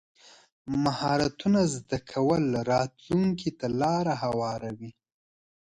مهارتونه زده کول راتلونکي ته لار هواروي.